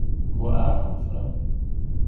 Vad är han för en?